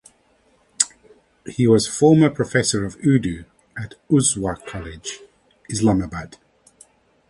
He was former professor of Urdu at Uswa College Islamabad.